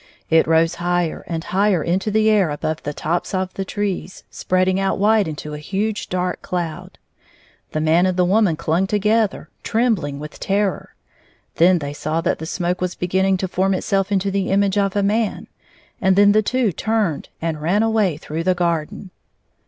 It rose higher and higher into the air above the tops of the trees, spreading out wide into a huge dark cloud. The man and the wo man clung together, trembUng with terror. Then they saw that the smoke was beginning to form itself into the image of a man, and then the two turned and ran away through the garden.